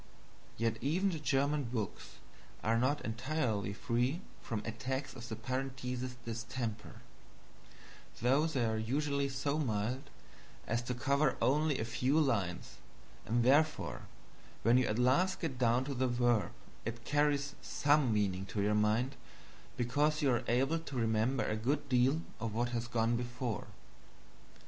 Yet even the German books are not entirely free from attacks of the Parenthesis distemper though they are usually so mild as to cover only a few lines, and therefore when you at last get down to the verb it carries some meaning to your mind because you are able to remember a good deal of what has gone before.